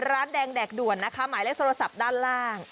ร้านแดงแดกด่วนนะคะหมายเลขโทรศัพท์ด้านล่าง